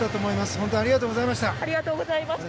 本当、ありがとうございました。